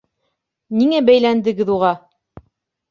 Ниңә бәйләндегеҙ уға?